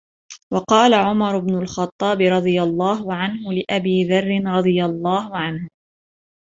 وَقَالَ عُمَرُ بْنُ الْخَطَّابِ رَضِيَ اللَّهُ عَنْهُ لِأَبِي ذَرٍّ رَضِيَ اللَّهُ عَنْهُ